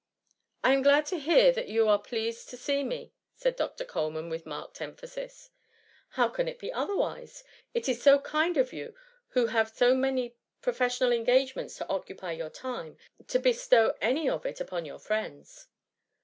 ^* I am^glad to hear that you are pleased to see me,*" siud Dr. Coleman, with marked em* phasis. *^ How can it be otherwise ? It is so kind of you, who have so many professional engage ments to occupy your time, to bestow any of it upon your friends.